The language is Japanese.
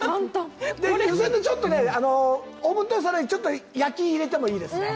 これ湯煎でちょっとねオーブントースターでちょっと焼き入れてもいいですね